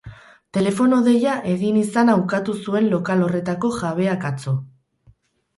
Telefono deia egin izana ukatu zuen lokal horretako jabeak atzo.